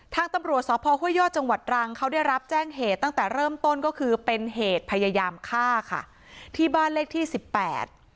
ทางตำรวจสพห้วยยอดจังหวัดรังเขาได้รับแจ้งเหตุตั้งแต่เริ่มต้นก็คือเป็นเหตุพยายามฆ่าค่ะที่บ้านเลขที่สิบแปด